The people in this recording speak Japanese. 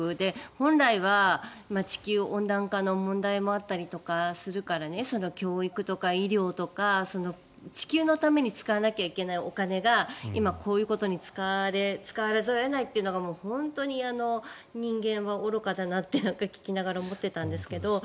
本来は地球温暖化の問題もあったりもするから教育とか医療とか地球のために使わなきゃいけないお金が今、こういうことに使わざるを得ないというのが本当に人間は愚かだなって聞きながら思っていたんですけど。